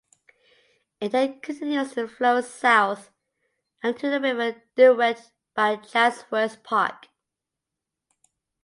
It then continues to flow south and into the River Derwent by Chatsworth Park.